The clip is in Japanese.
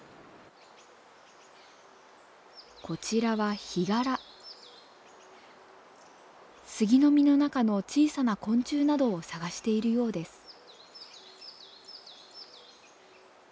こちらはスギの実の中の小さな昆虫などを探しているようです。